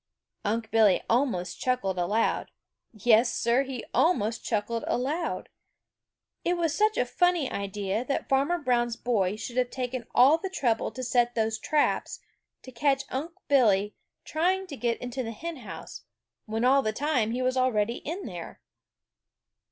Unc' Billy almost chuckled aloud. Yes, Sir, he almost chuckled aloud. It was such a funny idea that Farmer Brown's boy should have taken all the trouble to set those traps to catch Unc' Billy trying to get into the hen house, when all the time he was already in there.